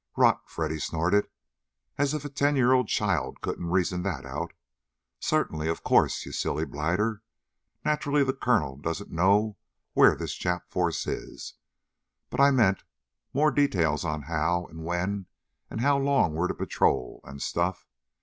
"Rot!" Freddy snorted. "As if a ten year old child couldn't reason that out? Certainly! Of course, you silly blighter. Naturally the colonel doesn't know where this Jap force is. But I meant, more details on how, and when, and how long we're to patrol, and stuff?